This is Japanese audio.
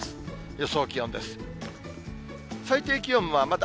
予想気温です。